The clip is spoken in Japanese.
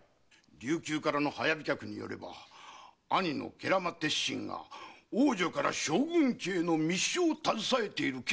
琉球からの早飛脚によれば兄の慶良間鉄心が王女から将軍家への密書を携えている形跡があります。